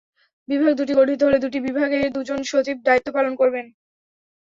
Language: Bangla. বিভাগ দুটি গঠিত হলে দুই বিভাগে দুজন সচিব দায়িত্ব পালন করবেন।